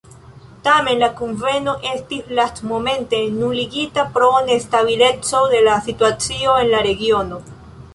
Tamen la kunveno estis lastmomente nuligita pro nestabileco de la situacio en la regiono.